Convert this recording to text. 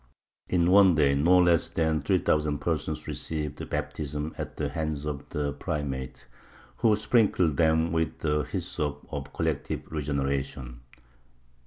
In one day no less than 3,000 persons received baptism at the hands of the Primate, who sprinkled them with the hyssop of collective regeneration."